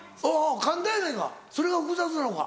簡単やないかそれが複雑なのか？